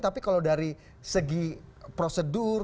tapi kalau dari segi prosedur